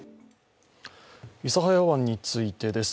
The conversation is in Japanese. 諫早湾についてです。